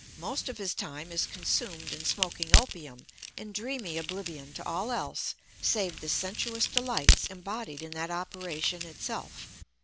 Most of his time is consumed in smoking opium in dreamy oblivion to all else save the sensuous delights embodied in that operation itself.